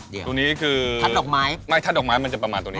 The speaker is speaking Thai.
เดี๋ยวทัดดอกไม้คือไม่ทัดดอกไม้มันจะประมาณตรงเนี่ย